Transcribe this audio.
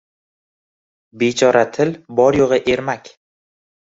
Bechora til, bor-yoʼgʼi ermak.